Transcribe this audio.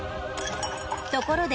ところで。